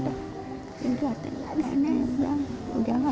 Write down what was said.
jangan saya ada di rumah